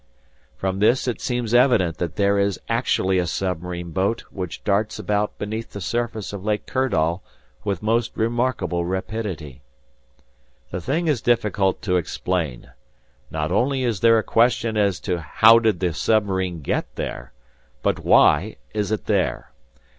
"From this it seems evident that there is actually a submarine boat which darts about beneath the surface of Lake Kirdall with most remarkable rapidity. "The thing is difficult to explain. Not only is there a question as to how did the submarine get there? But why is it there?